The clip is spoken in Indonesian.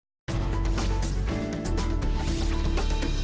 dan kita harus memiliki kekuatan yang lebih baik